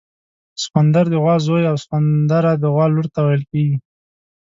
سخوندر د غوا زوی او سخونده د غوا لور ته ویل کیږي